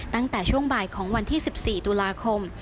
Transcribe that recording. ตั้งแต่ช่วงบ่ายของวันที่๑๔ตุลาคม